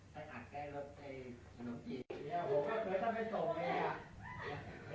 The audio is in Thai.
ไปหักใกล้รถไปหนุ่มจีน